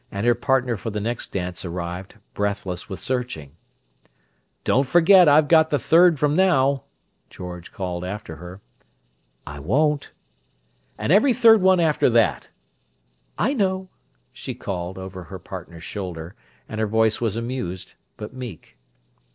And her partner for the next dance arrived, breathless with searching. "Don't forget I've got the third from now," George called after her. "I won't." "And every third one after that." "I know!" she called, over her partner's shoulder, and her voice was amused—but meek.